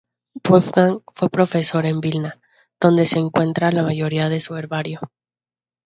Wolfgang fue profesor en Vilna, donde se encuentra la mayoría de su herbario.